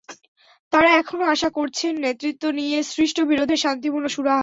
তাঁরা এখনো আশা করছেন, নেতৃত্ব নিয়ে সৃষ্ট বিরোধের শান্তিপূর্ণ সুরাহা হবে।